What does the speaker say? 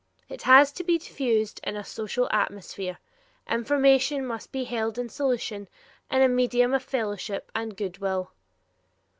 It has to be diffused in a social atmosphere, information must be held in solution, in a medium of fellowship and good will.